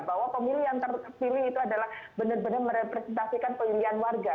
bahwa pemilih yang terpilih itu adalah benar benar merepresentasikan pemilihan warga